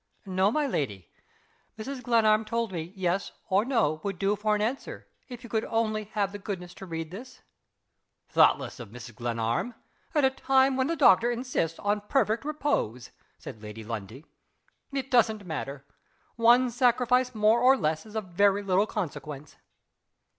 "No, my lady. Mrs. Glenarm told me Yes or No would do for answer, if you could only have the goodness to read this." "Thoughtless of Mrs. Glenarm at a time when the doctor insists on perfect repose," said Lady Lundie. "It doesn't matter. One sacrifice more or less is of very little consequence."